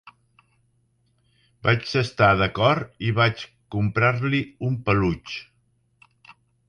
Vaig estar d'acord i vaig comprar-li un peluix!